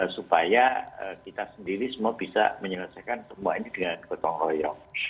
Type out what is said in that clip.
supaya kita sendiri semua bisa menyelesaikan semua ini dengan gotong royong